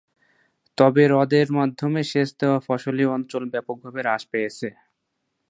তবে হ্রদের মাধ্যমে সেচ দেওয়া ফসলী অঞ্চল ব্যাপকভাবে হ্রাস পেয়েছে।